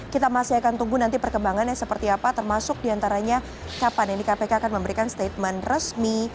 kita masih akan tunggu nanti perkembangannya seperti apa termasuk diantaranya kapan ini kpk akan memberikan statement resmi